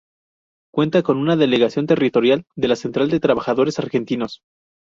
Cuenta con una delegación territorial de la Central de Trabajadores Argentinos.